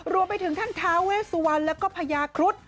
รวมไปถึงท่านเธอเวชสุวรรณแล้วก็พญาครุฑ